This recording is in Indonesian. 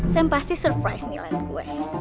sam pasti surprise nih liat gue